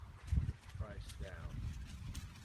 Price down.